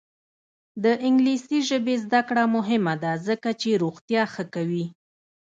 د انګلیسي ژبې زده کړه مهمه ده ځکه چې روغتیا ښه کوي.